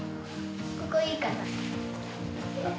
ここいいかな？